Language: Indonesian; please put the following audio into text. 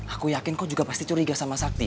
aku yakin kau juga pasti curiga sama sakti